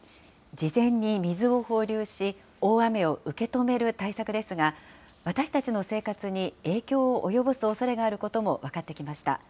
事前に水を放流し、大雨を受け止める対策ですが、私たちの生活に影響を及ぼすおそれがあることも分かってきました。